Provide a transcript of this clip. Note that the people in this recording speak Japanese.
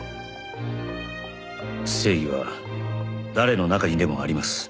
正義は誰の中にでもあります。